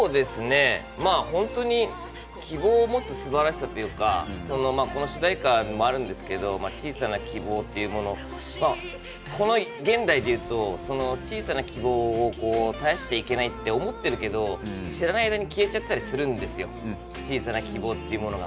本当に希望を持つすばらしさというか、この主題歌にもあるんですけど、小さな希望というものがこの現代でいうと小さな希望を絶やしちゃいけないって思ってるけど知らない間に消えちゃったりするんですよ、小さな希望っていうものが。